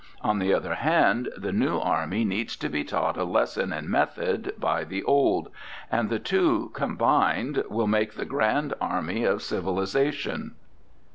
On the other hand, the new army needs to be taught a lesson in method by the old; and the two combined will make the grand army of civilization.